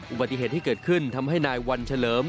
อุบัติเหตุที่เกิดขึ้นทำให้นายวันเฉลิม